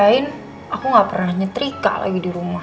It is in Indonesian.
dikirain aku ga pernah nyetrika lagi di rumah